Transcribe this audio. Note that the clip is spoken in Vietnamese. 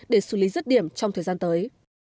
để xử lý rứt điểm trong thời gian tới